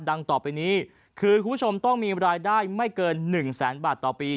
ต่อไปนี้คือคุณผู้ชมต้องมีรายได้ไม่เกิน๑แสนบาทต่อปี